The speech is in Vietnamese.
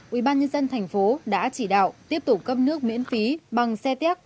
ủy ban nhân dân tp hcm đã chỉ đạo tiếp tục cấp nước miễn phí bằng xe tét